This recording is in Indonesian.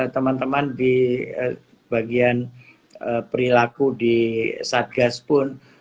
teman teman di bagian perilaku di satgas pun